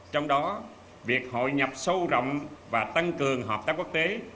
trong đó việc hội nhập sâu rộng và tăng cường hợp tác quốc tế